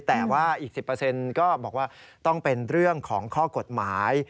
แต่ว่าอีก๑๐ก็บอกว่าต้องเป็นเรื่องของข้อกฎหมาย